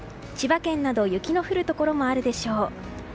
千葉県など雪の降るところもあるでしょう。